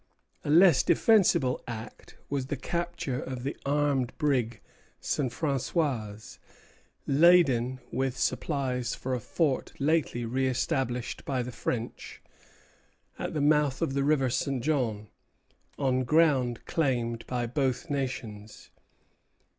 A less defensible act was the capture of the armed brig "St. François," laden with supplies for a fort lately re established by the French, at the mouth of the River St. John, on ground claimed by both nations.